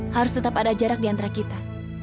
harus tetap ada jarak di antara kita